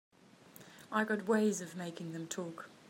I got ways of making them talk.